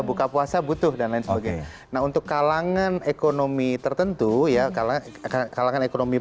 buka puasa butuh dan lain sebagainya nah untuk kalangan ekonomi tertentu ya kalah kalangan ekonomi